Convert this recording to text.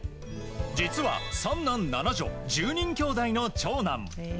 実は、３男７女１０人きょうだいの長男。